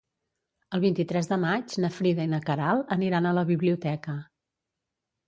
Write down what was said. El vint-i-tres de maig na Frida i na Queralt aniran a la biblioteca.